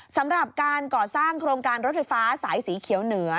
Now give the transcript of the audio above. สำหรับการก่อสร้างโครงการรถไฟฟ้าสายสีเขียวเหนือ